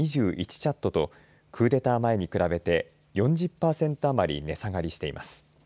チャットとクーデター前に比べて４０パーセント余り値下がりしています。